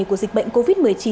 của dịch bệnh covid một mươi chín